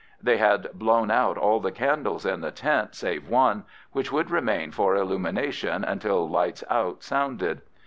They had blown out all the candles in the tent save one, which would remain for illumination until "lights out" sounded.